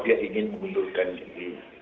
dia ingin mengundurkan diri